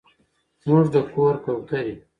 زموږ د کور کوترې